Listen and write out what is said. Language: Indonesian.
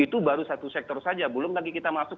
itu baru satu sektor saja belum lagi kita masuk